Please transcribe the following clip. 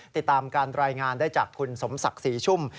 ติดตามการรายงานได้จากคุณสมศักดิ์ศรีชุ่ม